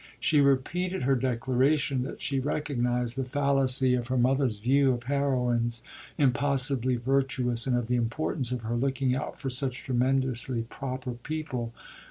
She repeated her declaration that she recognised the fallacy of her mother's view of heroines impossibly virtuous and of the importance of her looking out for such tremendously proper people.